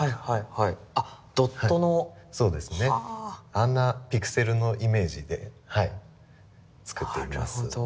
あんなピクセルのイメージで作っています。